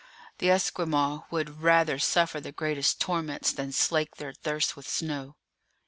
The Esquimaux would rather suffer the greatest torments than slake their thirst with snow.